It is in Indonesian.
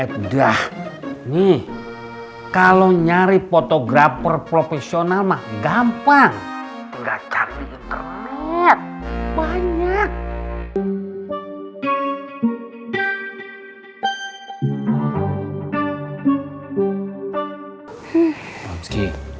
eh udah nih kalau nyari fotografer profesional mah gampang enggak cari internet banyak